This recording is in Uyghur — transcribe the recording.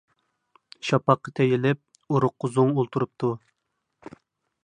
شاپاققا تېيىلىپ، ئۇرۇققا زوڭ ئولتۇرۇپتۇ.